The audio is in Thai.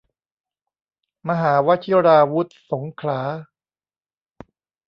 มหาวชิราวุธสงขลา